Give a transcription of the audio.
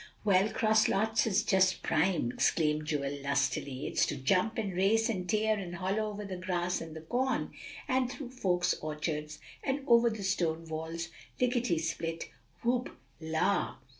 "Well, 'cross lots is just prime!" exclaimed Joel lustily; "it's to jump and race and tear and holler over the grass and the corn, and through folks' orchards, and over the stone walls, lickety split whoop la!"